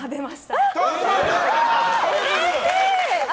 うれしい！